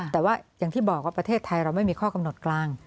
แต่ว่าอย่างที่บอกว่าประเทศไทยเราไม่มีข้อกำหนดกลาง